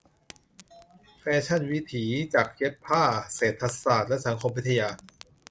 แฟชั่นวิถี-จักรเย็บผ้า-เศรษฐศาสตร์และสังคมวิทยา.